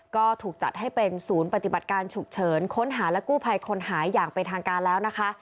ก็ถูกจัดให้เป็นศูนย์ปฏิบัติการฉุกเฉินค้นหาและกู้ภัยคนหายอย่างเป็นทางการแล้วนะคะ